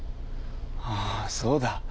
ああそうだ。